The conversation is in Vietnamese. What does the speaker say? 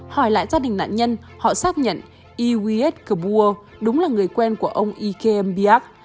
hỏi lại gia đình nạn nhân họ xác nhận i w s kabur đúng là người quen của ông i k m biak